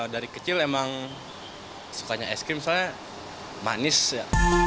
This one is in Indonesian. dari kecil emang sukanya ice cream soalnya manis ya